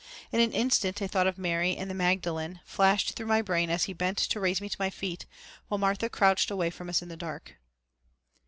In an instant a thought of Mary and the Magdalen flashed through my brain as he bent to raise me to my feet, while Martha crouched away from us in the dark.